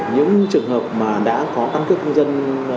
những trường hợp mà đã có căn cước công dân